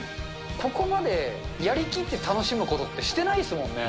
ここまでやりきって楽しむことってしてないですもんね。